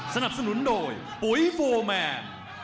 สนับสนุนโดยปุ๋ยโฟร์แมน